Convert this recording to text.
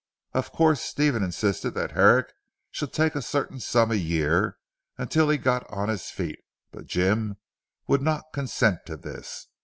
Of course Stephen insisted that Herrick should take a certain sum a year, until he got on his feet, but Jim would not consent to this.